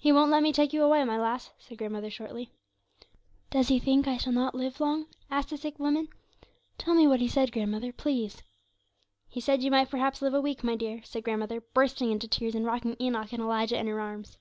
'He won't let me take you away, my lass,' said grandmother, shortly. 'Does he think I shall not live long?' asked the sick woman. 'Tell me what he said, grandmother, please.' 'He said you might perhaps live a week, my dear,' said grandmother, bursting into tears, and rocking Enoch and Elijah in her arms.